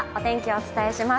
お伝えします。